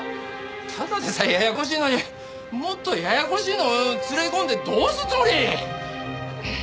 ただでさえややこしいのにもっとややこしいのを連れ込んでどうするつもり！？